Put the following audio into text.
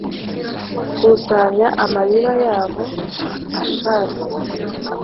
Kusanya amarira yabo asharira